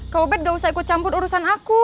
kau bed gak usah ikut campur urusan aku